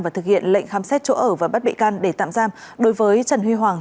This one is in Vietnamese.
và thực hiện lệnh khám xét chỗ ở và bắt bị can để tạm giam đối với trần huy hoàng